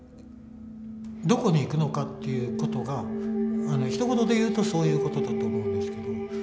どこに行くのかっていうことがひと言で言うとそういうことだと思うんですけど。